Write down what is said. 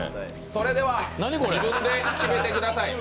それでは自分で決めてください